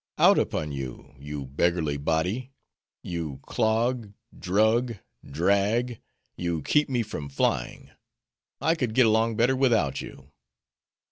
'Out upon you, you beggarly body! you clog, drug, drag! You keep me from flying; I could get along better without you.